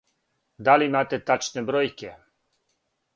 Да ли имате тачне бројке?